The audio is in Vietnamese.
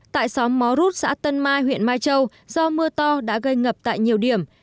tại xóm mó rút xã tân mai huyện mai châu do mưa to đã gây ngập tại nhiều điểm